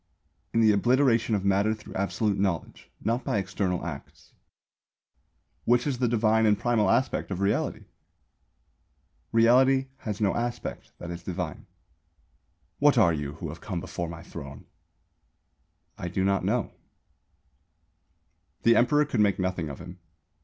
Bodhidharma: In the obliteration of Matter through Absolute Knowledge, not by external acts. Emperor: Which is the Divine and Primal Aspect of Reality? Bodhidharma: Reality has no aspect that is divine. Emperor: What are you, who have come before my Throne? Bodhidharma: I do not know. The Emperor could make nothing of him.